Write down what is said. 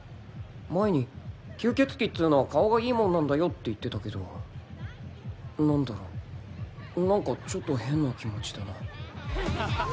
前に「吸血鬼っつうのは顔がいいもんなんだよ」って言ってたけど何だろう何かちょっと変な気持ちだな